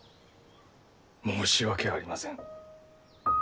申し訳ありません。